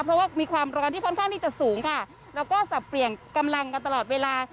เพราะว่ามีความร้อนที่ค่อนข้างที่จะสูงค่ะแล้วก็สับเปลี่ยนกำลังกันตลอดเวลา